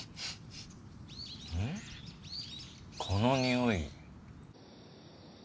このにおい。